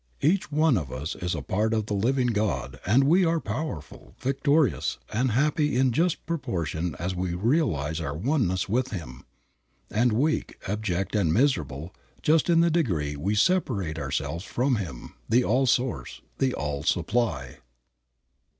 Each one of us is a part of the living God and we are powerful, victorious and happy just in proportion as we realize our oneness with Him, and weak, abject and miserable just in the degree we separate ourselves from Him, the All Source, the All Supply.